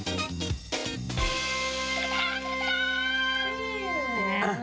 แล้วละ